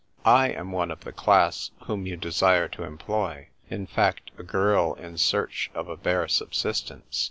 I am one of the class whom you desire to employ — in fact, a girl in search of a bare subsistence.